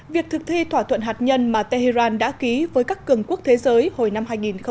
việc thực thi thỏa thuận hạt nhân mà tehran đã ký với các cường quốc thế giới hồi năm hai nghìn một mươi năm